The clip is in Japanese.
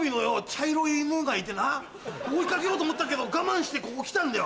茶色い犬がいてな追い掛けようと思ったけど我慢してここ来たんだよ。